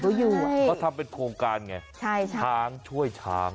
พวกเขาทำเป็นโครงการไงช้างช่วยช้าง